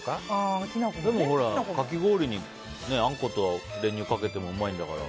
でも、かき氷にあんこと練乳かけてもうまいんだから。